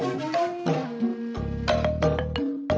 pemain utang merusak itu